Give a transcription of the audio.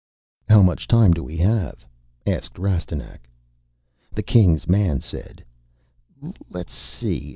"How much time do we have?" asked Rastignac. The King's man said, "Let's see.